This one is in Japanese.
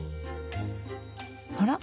あら？